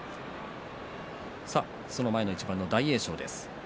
その前の一番の大栄翔です。